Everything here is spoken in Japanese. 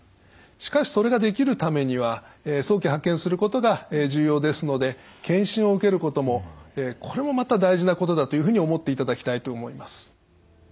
しかしそれができるためには早期発見することが重要ですので検診を受けることもこれもまた大事なことだというふうに思っていただきたいと思います。